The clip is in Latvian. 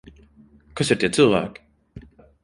Kas ir tie cilvēki?